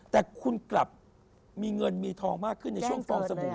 แต่คุณกลับมีเงินมีทองมากขึ้นในช่วงฟองสบู่